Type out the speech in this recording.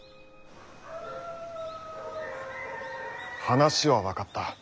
話は分かった。